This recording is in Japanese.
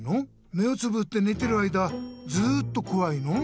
目をつぶってねてる間ずっとこわいの？